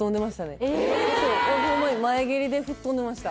前蹴りで吹っ飛んでました